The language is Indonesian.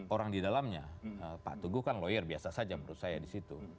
orang di dalamnya pak tugu kan lawyer biasa saja menurut saya disitu